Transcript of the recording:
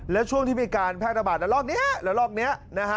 และช่วงที่มีการแพทย์อุปกรณ์แล้วรอบนี้